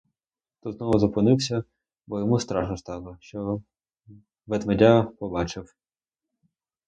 Тут знову зупинився, бо йому страшно стало, що ведмедя побачив.